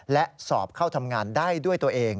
และสอบเข้าทำงานได้ด้วยตัวเอง